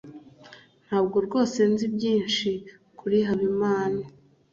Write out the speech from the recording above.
Ntabwo rwose nzi byinshi kuri Habimana.